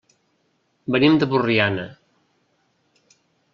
Venim de Borriana.